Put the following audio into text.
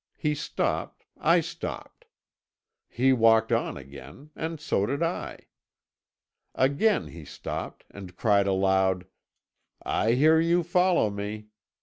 He stopped; I stopped; he walked on again, and so did I. Again he stopped and cried aloud: 'I hear you follow me!